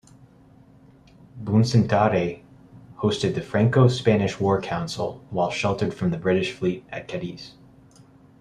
"Bucentaure" hosted the Franco-Spanish war council while sheltered from the British fleet at Cadiz.